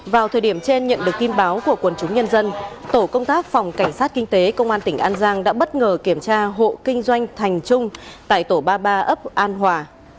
vào thời điểm trên nhận được tin báo của quần chúng nhân dân tổ công tác phòng cảnh sát kinh tế công an tỉnh an giang đã bất ngờ kiểm tra hộ kinh doanh thành trung tại tổ ba mươi ba ấp an hòa